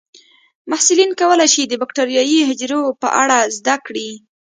محصلین کولی شي د بکټریايي حجرو په اړه زده کړي.